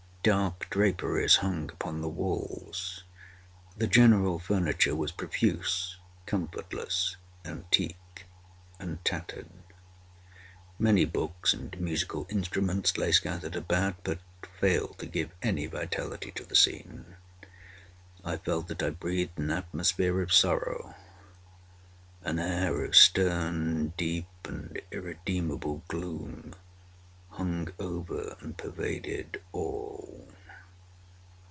Dark draperies hung upon the walls. The general furniture was profuse, comfortless, antique, and tattered. Many books and musical instruments lay scattered about, but failed to give any vitality to the scene. I felt that I breathed an atmosphere of sorrow. An air of stern, deep, and irredeemable gloom hung over and pervaded all.